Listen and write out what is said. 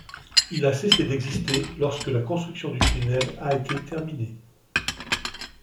Il a cessé d'exister lorsque la construction du tunnel a été terminée.